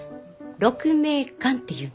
鹿鳴館っていうの。